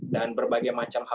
dan berbagai macam hal